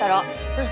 うん。